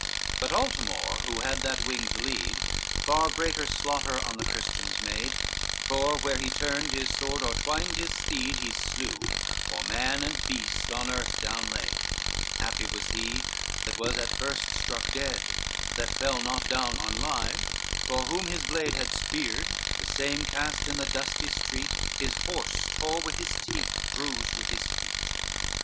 XXXVIII But Altamore who had that wing to lead Far greater slaughter on the Christians made; For where he turned his sword, or twined his steed, He slew, or man and beast on earth down laid, Happy was he that was at first struck dead, That fell not down on live, for whom his blade Had speared, the same cast in the dusty street His horse tore with his teeth, bruised with his feet.